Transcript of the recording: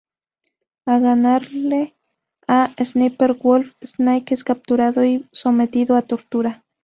Al ganarle a Sniper wolf, snake es capturado y sometido a tortura.